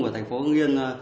ở thành phố ương yên